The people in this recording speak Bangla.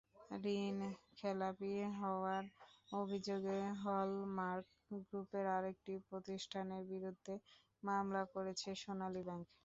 ঋণখেলাপি হওয়ার অভিযোগে হল-মার্ক গ্রুপের আরেকটি প্রতিষ্ঠানের বিরুদ্ধে মামলা করেছে সোনালী ব্যাংক।